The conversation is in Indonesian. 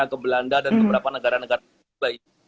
ke belanda dan beberapa negara negara